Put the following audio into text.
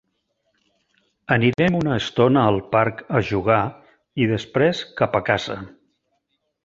Anirem una estona al parc a jugar i després cap a casa.